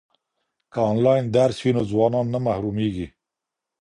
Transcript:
که انلاین درس وي نو ځوانان نه محرومیږي.